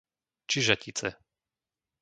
Čižatice